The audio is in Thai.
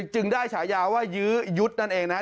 จึงได้ฉายาว่ายื้อยุทธ์นั่นเองนะครับ